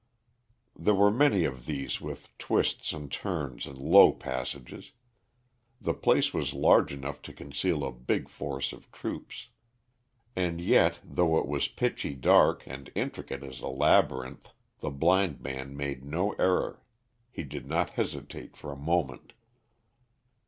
There were many of these with twists and turns and low passages; the place was large enough to conceal a big force of troops. And yet, though it was pitchy dark and intricate as a labyrinth, the blind man made no error; he did not hesitate for a moment.